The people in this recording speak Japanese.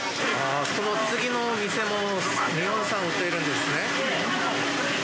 この次の店も日本産を売っているんですね。